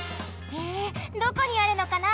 へえどこにあるのかな？